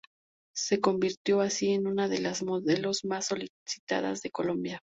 Se convirtió así en una de las modelos más solicitadas de Colombia.